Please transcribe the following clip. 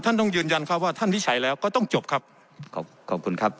ท่านต้องยืนยันครับว่าท่านวิจัยแล้วก็ต้องจบครับขอขอบคุณครับ